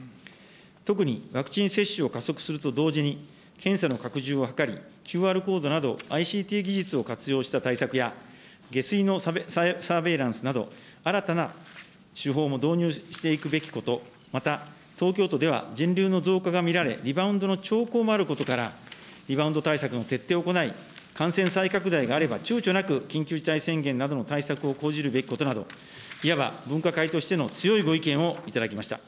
特にワクチン接種を加速すると同時に、検査の拡充を図り、ＱＲコードなどＩＣＴ技術を活用した対策や、下水のサーベイランスなど、新たな手法も導入していくべきこと、また、東京都では人流の増加が見られ、リバウンドの兆候もあることから、リバウンド対策の徹底を行い、感染再拡大があれば、ちゅうちょなく緊急事態宣言などの対策を講じるべきことなど、いわば分科会としての強いご意見を頂きました。